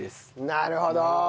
なるほど。